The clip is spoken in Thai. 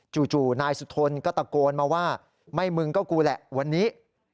จู่นายสุธนก็ตะโกนมาว่าไม่มึงก็กูแหละวันนี้